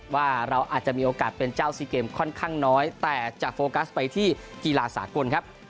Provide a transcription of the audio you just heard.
ว่าเราอาจจะมีโอกาสเป็นเจ้าซีเกมค่อนข้างน้อยแต่จะโฟกัสไปที่กีฬาสากลครับ